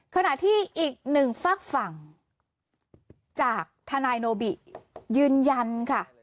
ขณะที่อีกหนึ่งฝากฝั่งจากทนายโนบิยืนยันค่ะ